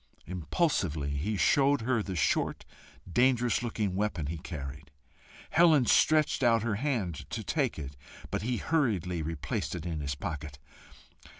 Impulsively he showed her the short dangerous looking weapon he carried. Helen stretched out her hand to take it, but he hurriedly replaced it in his pocket.